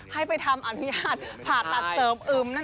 ให้ไปทำอนุญาตผ่าตัดเสิร์ฟอึมนั่นเอง